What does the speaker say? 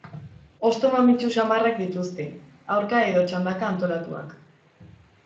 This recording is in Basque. Hosto mamitsu samarrak dituzte, aurka edo txandaka antolatuak.